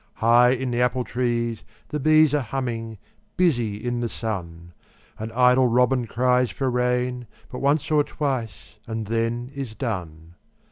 High in the apple trees the bees Are humming, busy in the sun, An idle robin cries for rain But once or twice and then is done.